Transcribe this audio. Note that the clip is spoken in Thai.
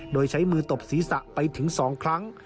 โดยใช้มือตบศีรษะไปถึง๒ครั้ง